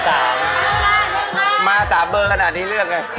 จริงค่ะมา๓เบอร์ระดาษนี้เลือกเลย